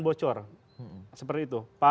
bocor seperti itu pak